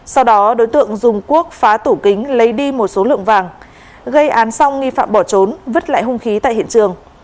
sau đó đối tượng dùng quốc phá tủ kính lấy đi một số lượng vàng gây án xong nghi phạm bỏ trốn vứt lại hung khí tại hiện trường